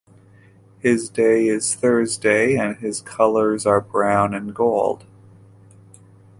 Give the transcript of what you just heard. His day is Thursday, and his colors are brown and gold.